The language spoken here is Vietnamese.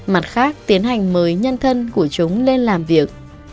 mặt khác tiến hành mời nhân thân của chúng lên làm việc